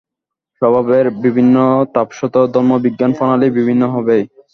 স্বভাবের বিভিন্নতাবশত ধর্মবিজ্ঞান প্রণালী বিভিন্ন হইবেই।